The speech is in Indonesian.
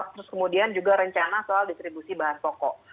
terus kemudian juga rencana soal distribusi bahan pokok